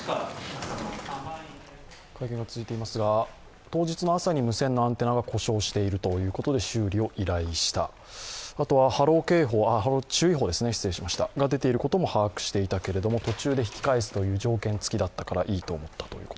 会見は続いていますが当日の朝に無線のアンテナが故障しているということで修理を依頼した、あとは波浪注意報が出ていることも把握していたけれども途中で引き返すという条件付きだったから、いいと思った。